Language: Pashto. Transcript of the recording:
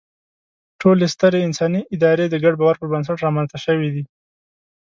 ټولې سترې انساني ادارې د ګډ باور پر بنسټ رامنځ ته شوې دي.